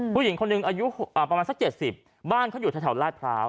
ผู้หญิงคนหนึ่งอายุประมาณสัก๗๐บ้านเขาอยู่แถวลาดพร้าว